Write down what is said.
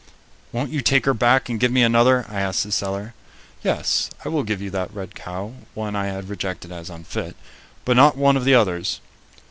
"Won't you take her back and give me another?" I asked the seller. "Yes, I will give you that red cow," one I had rejected as unfit, "but not one of the others."